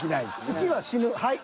月は死ぬはい。